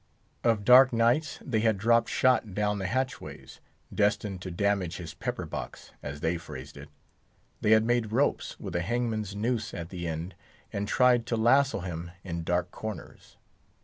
Of dark nights they had dropped shot down the hatchways, destined "to damage his pepper box," as they phrased it; they had made ropes with a hangman's noose at the end and tried to lasso him in dark corners.